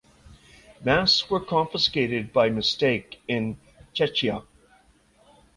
Masks were confiscated by mistake in Czechia.